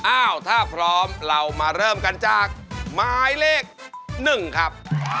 อ้าวถ้าพร้อมเรามาเริ่มกันจากหมายเลข๑ครับ